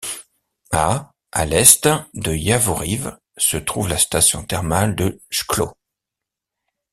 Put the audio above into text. À à l'est de Yavoriv se trouve la station thermale de Chklo.